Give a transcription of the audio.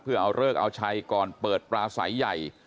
เพื่อเอาเลิกเอาชัยก่อนเปิดปลาใสใหญ่